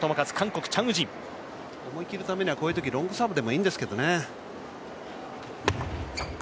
思い切るためには、こういうときはロングサーブでもいいんですけどね。